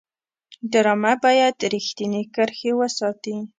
ډرامه باید رښتینې کرښې وساتي